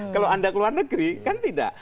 kalau anda ke luar negeri kan tidak